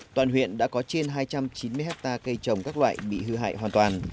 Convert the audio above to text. toàn huyện đã có trên hai trăm chín mươi hectare cây trồng các loại bị hư hại hoàn toàn